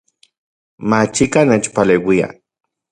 Machikaj nechpaleuia